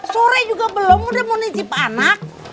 sore juga belum udah mau nicip anak